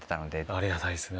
ありがたいですね